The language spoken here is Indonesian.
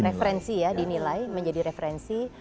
referensi ya dinilai menjadi referensi